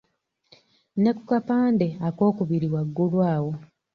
Ne ku kapande akookubiri waggulu awo.